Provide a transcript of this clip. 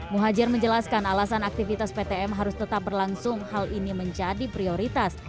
muhajir menjelaskan alasan aktivitas ptm harus tetap berlangsung hal ini menjadi prioritas